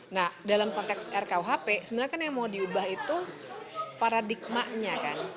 nah dalam konteks rkuhp sebenarnya kan yang mau diubah itu paradigmanya kan